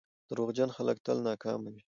• دروغجن خلک تل ناکام وي.